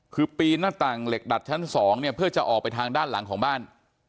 คือปีนหน้าต่างเหล็กดัดชั้น๒เนี่ยเพื่อจะออกไปทางด้านหลังของบ้าน